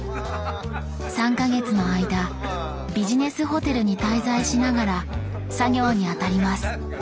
３か月の間ビジネスホテルに滞在しながら作業に当たります。